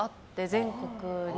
全国に。